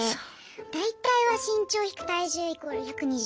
大体は身長引く体重イコール１２０。